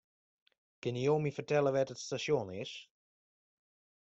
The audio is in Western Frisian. Kinne jo my fertelle wêr't it stasjon is?